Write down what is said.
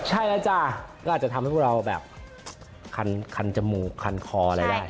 ใช่แล้วจ้ะก็อาจจะทำให้พวกเราแบบคันจมูกคันคออะไรได้